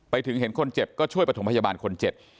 เห็นคนเจ็บก็ช่วยประถมพยาบาลคนเจ็บ